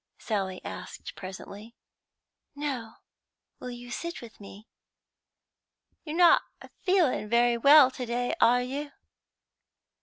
Sally asked presently. "No; will you sit with me?" "You're not feeling very well to day, are you?"